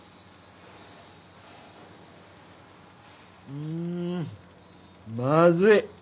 うーんまずい。